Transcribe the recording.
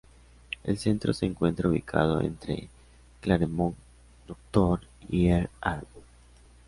El centro se encuentra ubicado entre Claremont Dr. y Earl Ave.